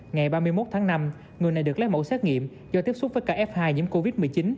ngày ba mươi một tháng năm người này được lấy mẫu xét nghiệm do tiếp xúc với cả f hai nhiễm covid một mươi chín